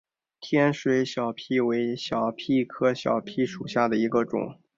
天水小檗为小檗科小檗属下的一个种。